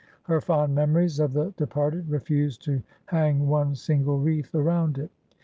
Her fond memories of the departed refused to hang one single wreath around it.